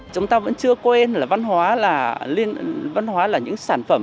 chúng ta vẫn chưa quên là văn hóa là những sản phẩm